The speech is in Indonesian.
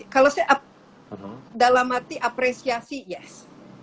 kalau saya dalam arti apresiasi yes